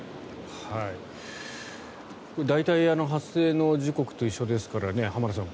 大体発生の時刻と一緒ですから浜田さん